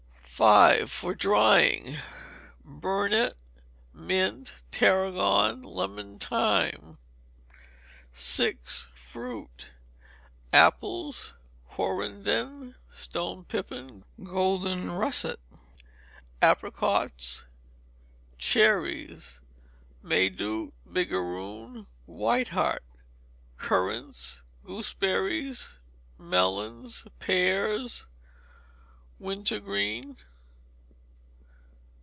v. For Drying. Burnet, mint, tarragon, lemon thyme. vi. Fruit. Apples: Quarrenden, stone pippin, golden russet. Apricots. Cherries: May duke, bigaroon, white heart. Currants; gooseberries; melons. Pears: Winter green.